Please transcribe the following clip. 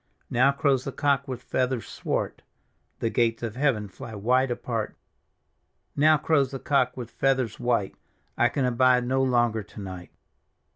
" Now crows the cock with feathers swart; The gates of heaven fly wide apart " Now crows the cock with feathers white ; I can abide no longer to night."